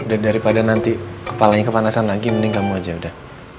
udah daripada nanti kepalanya kepanasan lagi mending kamu aja udah